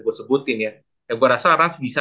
gua sebutin ya ya gua rasa ranz bisa